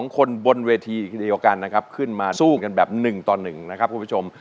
๒คนบนเวทีเดียวกันนะครับขึ้นมาสู้กันแบบ๑ต่อ๑นะครับคุณผู้ชม